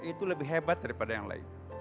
itu lebih hebat daripada yang lain